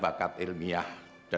porta latar dekat knek